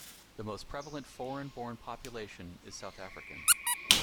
The most prevalent foreign born population is South African.